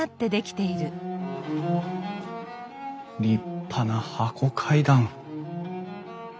立派な箱階段！